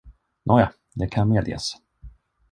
Nåja, det kan medges!